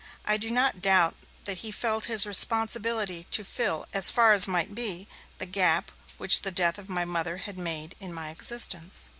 I do not doubt that he felt his responsibility to fill as far as might be the gap which the death of my Mother had made in my existence.